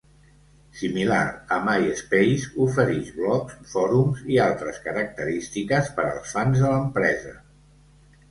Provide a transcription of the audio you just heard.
Similar a MySpace, oferix blogs, fòrums, i altres característiques per als fans de l'empresa.